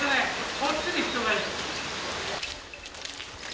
こっちに人がいる。